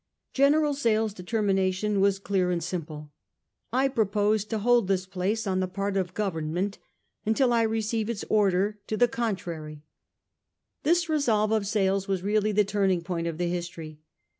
General Sale's determination was clear and simple. 'I propose to hold this place on the part of Government until I receive its order to the con 1842. JELLALABAD. 257 trary.' This resolve of Sale's was really the turn ing point of the history.